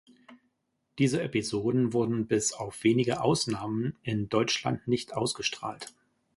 Diese Episoden wurden bis auf wenige Ausnahmen in Deutschland nicht ausgestrahlt.